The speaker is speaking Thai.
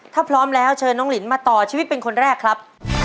ถ้าพร้อมแล้วเชิญน้องลินมาต่อชีวิตเป็นคนแรกครับ